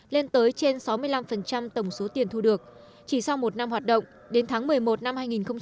lên tới trên sáu mươi năm tổng số tiền thu được chỉ sau một năm hoạt động đến tháng một mươi một năm hai nghìn một mươi chín